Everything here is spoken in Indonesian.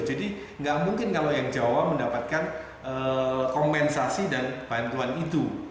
jadi tidak mungkin kalau yang jawa mendapatkan kompensasi dan bantuan itu